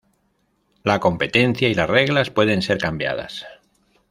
La competencia y las reglas pueden ser cambiadas.